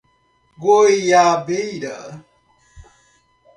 Goiabeira